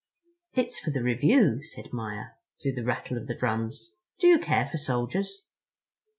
"It's for the review," said Maia, through the rattle of the drums. "Do you care for soldiers?"